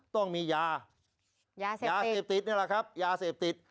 ต้องมียาเสพยาเสพติดนี่แหละครับยาเสพติด